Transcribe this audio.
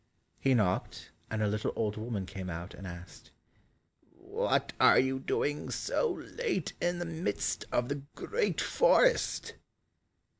He knocked, and a little old woman came out and asked, "What are you doing so late in the midst of the great forest?"